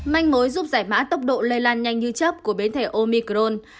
manh mối giúp giải mã tốc độ lây lan nhanh như chấp của biến thể omicron